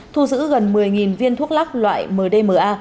thu giữ gần một mươi viên thuốc lắc loại mdma